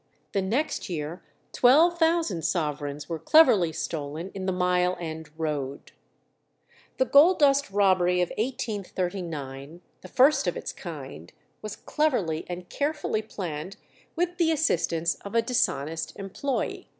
The next year twelve thousand sovereigns were cleverly stolen in the Mile End Road. The gold dust robbery of 1839, the first of its kind, was cleverly and carefully planned with the assistance of a dishonest employé.